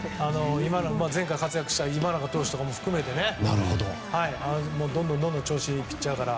前回活躍した今永投手とかも含めて調子がいいピッチャーから。